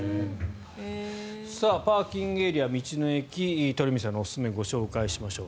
パーキングエリア道の駅鳥海さんのおすすめをご紹介しましょう。